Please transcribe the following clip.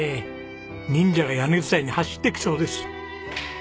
忍者が屋根伝いに走ってきそうです。